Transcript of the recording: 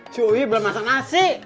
suwi belum masak nasi